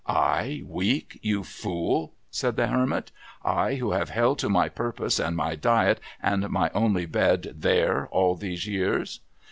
' I weak, you fool ?' said the Hermit, ' I, who have held to my purpose, and my diet, and my only bed there, all these years